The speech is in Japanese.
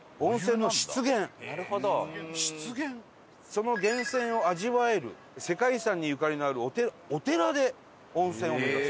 その源泉を味わえる世界遺産にゆかりのあるお寺で温泉を目指す。